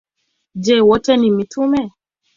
Je, wote ni mitume?